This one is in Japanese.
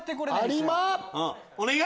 お願い！